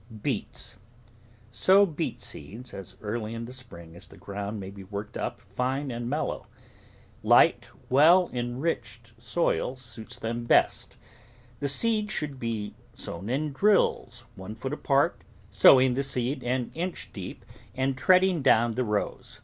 BEETS Sow beet seeds as early in the spring as the ground may be worked up fine and mellow. Light, well enriched soil suits them best. The seed should be ROOT VEGETABLES sown in drills, one foot apart, sowing the seed an inch deep and treading down the rows.